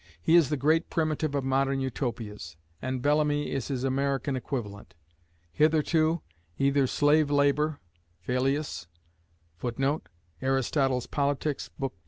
He is the great primitive of modern Utopias, and Bellamy is his American equivalent. Hitherto, either slave labour (Phaleas), [Footnote: Aristotle's Politics, Bk.